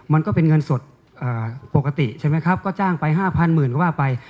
มันก็เป็นเงินสดปกติใช่ไหมครับก็จ้างไป๕๐๐หมื่นก็ว่าไป